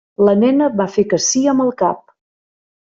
La nena va fer que sí amb el cap.